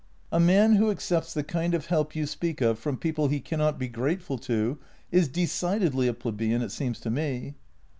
" A man who accepts the kind of help you speak of from people he cannot be grateful to is decidedly a plebeian, it seems to me."